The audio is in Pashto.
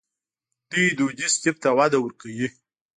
دوی دودیز طب ته وده ورکوي.